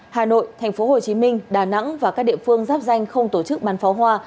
hà nội tp hcm đà nẵng và các địa phương giáp danh không tổ chức bán pháo hoa